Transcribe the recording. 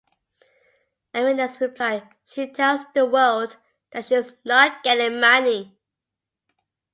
Arenas replied, She tells the world that she's not getting money.